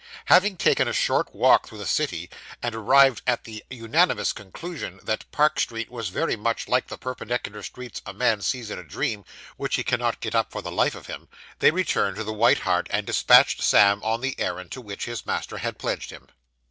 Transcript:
Having taken a short walk through the city, and arrived at the unanimous conclusion that Park Street was very much like the perpendicular streets a man sees in a dream, which he cannot get up for the life of him, they returned to the White Hart, and despatched Sam on the errand to which his master had pledged him.